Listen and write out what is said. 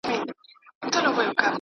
خبر د خلکو ذهنونو کې پاتې شو.